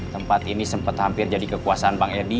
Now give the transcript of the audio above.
tempat ini sempat hampir jadi kekuasaan bang edi